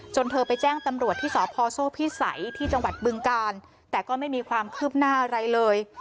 เธอไปแจ้งตำรวจที่สพโซ่พิสัยที่จังหวัดบึงกาลแต่ก็ไม่มีความคืบหน้าอะไรเลย